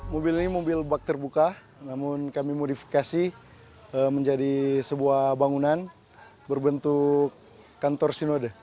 mobil ini mobil bak terbuka namun kami modifikasi menjadi sebuah bangunan berbentuk kantor sinode